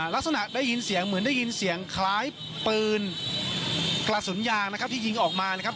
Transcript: ลักษณะได้ยินเสียงเหมือนได้ยินเสียงคล้ายปืนกระสุนยางนะครับที่ยิงออกมานะครับ